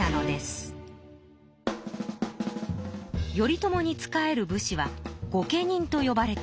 頼朝に仕える武士は御家人とよばれていました。